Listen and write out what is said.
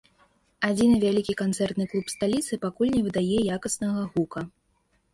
Адзіны вялікі канцэртны клуб сталіцы пакуль не выдае якаснага гука.